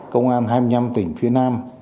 công an hai mươi năm tỉnh phía nam